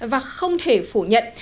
và không thể phủ nhận